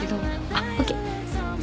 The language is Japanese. あっＯＫ。